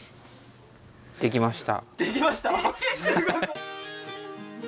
できました！？